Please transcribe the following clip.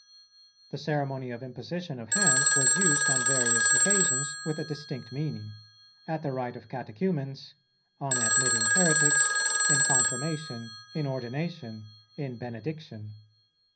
The ceremony of imposition of hands was used on various occasions with a distinct meaning; at the rite of Catechumens, on admitting heretics, in Confirmation, in Ordination, in Benediction.